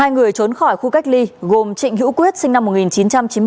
hai người trốn khỏi khu cách ly gồm trịnh hữu quyết sinh năm một nghìn chín trăm chín mươi bốn